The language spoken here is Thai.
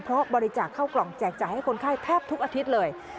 เพราะบริจาคเข้ากล่องแจกจ่ายให้คนไข้แทบทุกอาทิตย์เลย